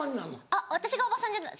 あっ私が叔母さんじゃない。